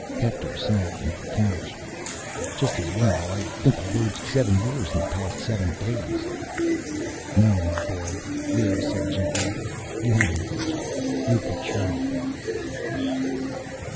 Hector sagged into the couch. "Just as well. I think I've aged seven years in the past seven days." "No, my boy," Leoh said gently. "You haven't aged. You've matured."